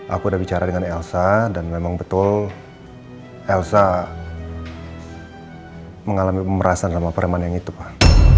aku udah bicara dengan elsa dan memang betul elsa mengalami pemerasan dalam pereman yang itu pak